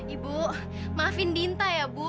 ibu maafin dinta ya bu